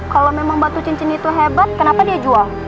kalau memang batu cincin itu hebat kenapa dia jual